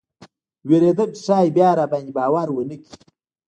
ویرېدم چې ښایي بیا راباندې باور ونه کړي.